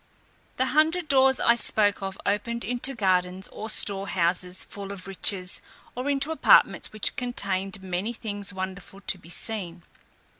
The hundred doors I spoke of opened into gardens or store houses full of riches, or into apartments which contained many things wonderful to be seen.